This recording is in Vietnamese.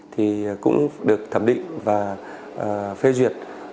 thì cũng được thẩm định và phê duyệt